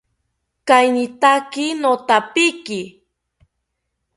Kainitaki nothapiki